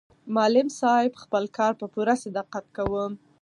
معلم صاحب خپل کار په پوره صداقت کاوه.